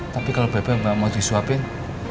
tapi kalau beb beb gak mau disuapin